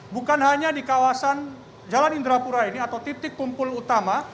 bukan hanya di kawasan jalan indrapura ini atau titik kumpul utama